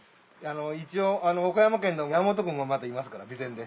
一応岡山県の山本君もまだいますから備前で。